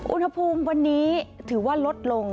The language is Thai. อุณหภูมิวันนี้ถือว่าลดลง